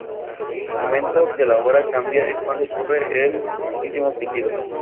El momento que la hora cambia, es cuando ocurre el último pitido.